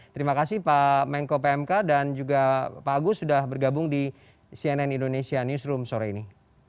terima kasih pak mengko pmk dan juga pak agus sudah bergabung di cnn indonesia newsroom sore ini